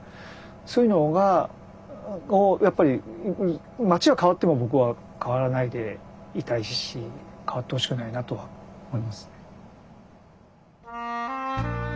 そういうのがやっぱり街は変わっても僕は変わらないでいたいし変わってほしくないなとは思います。